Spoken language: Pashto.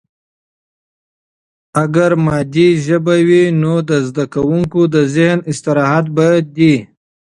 اگر مادي ژبه وي، نو د زده کوونکي د ذهن استراحت به دی.